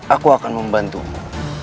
aku akan membantumu